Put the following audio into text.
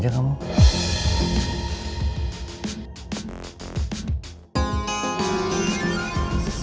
saya belum bilang